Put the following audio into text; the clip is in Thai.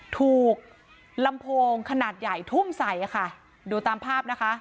ถูกลำโพงขนาดใหญ่ทุ่มใส่ค่ะดูตามภาพนะคะ